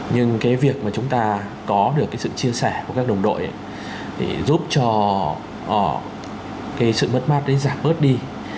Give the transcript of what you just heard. nhưng mà chúng ta có được cái sự chia sẻ của các đồng đội thì giúp cho cái sự mất mát ấy giảm ớt đi